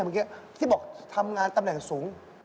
พี่ที่บอกทำงานตำแหน่งสูง